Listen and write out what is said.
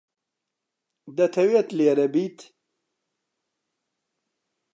دەتەوێت لێرە بیت؟